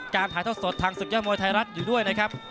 ถ่ายทอดสดทางศึกยอดมวยไทยรัฐอยู่ด้วยนะครับ